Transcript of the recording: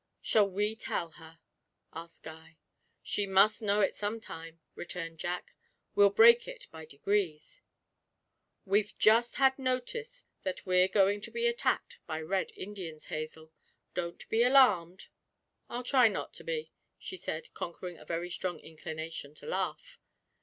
'Shall we tell her?' asked Guy. 'She must know it some time,' returned Jack; 'we'll break it by degrees. We've just had notice that we're going to be attacked by Red Indians, Hazel; don't be alarmed.' 'I'll try not to be,' she said, conquering a very strong inclination to laugh.